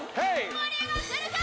盛り上がってるか！